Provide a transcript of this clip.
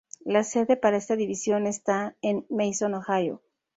La sede para esta división está en Mason, Ohio.